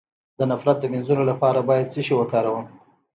د نفرت د مینځلو لپاره باید څه شی وکاروم؟